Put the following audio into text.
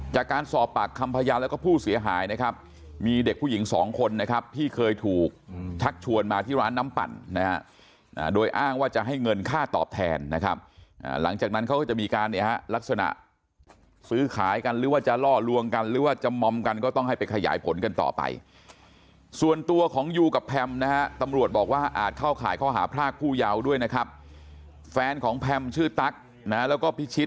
จากการสอบปากคำพยานแล้วก็ผู้เสียหายนะครับมีเด็กผู้หญิงสองคนนะครับที่เคยถูกทักชวนมาที่ร้านน้ำปั่นนะฮะโดยอ้างว่าจะให้เงินค่าตอบแทนนะครับหลังจากนั้นเขาก็จะมีการเนี่ยฮะลักษณะซื้อขายกันหรือว่าจะล่อลวงกันหรือว่าจะมอมกันก็ต้องให้ไปขยายผลกันต่อไปส่วนตัวของยูกับแพมนะฮะตำรว